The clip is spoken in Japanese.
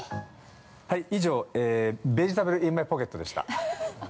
◆はい、以上、ベジタブルインマイポケットでした。